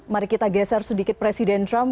mari kita geser sedikit presiden trump